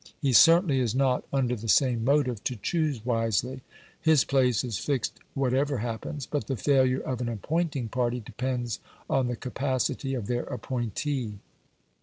He certainly is not under the same motive to choose wisely. His place is fixed whatever happens, but the failure of an appointing party depends on the capacity of their appointee.